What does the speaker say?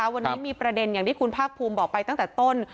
วันนี้มีประเด็นอย่างที่คุณภาคภูมิบอกไปตั้งแต่ต้น